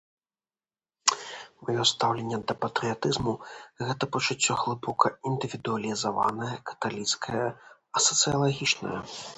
Маё стаўленьне да патрыятызму - гэта пачуцце глыбока індывідуалізаванае, каталіцкае і асацыялагічнае.